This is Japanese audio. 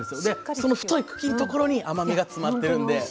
でその太い茎のところに甘みが詰まってるんで。